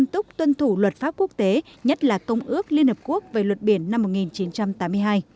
tục tuân thủ luật pháp quốc tế nhất là công ước liên hợp quốc về luật biển năm một nghìn chín trăm tám mươi hai